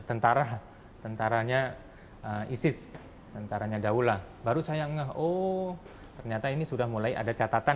tentara tentaranya isis tentaranya daulah baru saya ngeh oh ternyata ini sudah mulai ada catatan